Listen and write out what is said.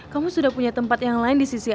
kamu sudah punya tempat yang lain di sisi lain